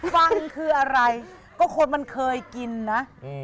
ฟังคืออะไรก็คนมันเคยกินนะ